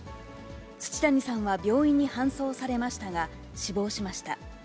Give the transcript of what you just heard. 土谷さんは病院に搬送されましたが、死亡しました。